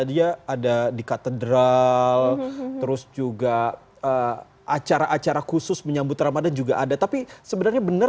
dia ada di katedral terus juga acara acara khusus menyambut ramadhan juga ada tapi sebenarnya benar